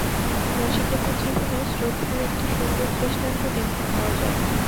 নচিকেতার জীবনে শ্রদ্ধার একটি সুন্দর দৃষ্টান্ত দেখিতে পাওয়া যায়।